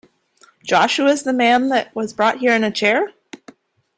Joshua is the man that was brought here in a chair?